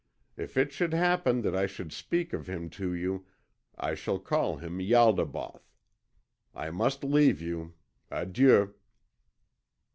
If it should happen that I should speak of him to you, I shall call him Ialdabaoth. I must leave you. Adieu."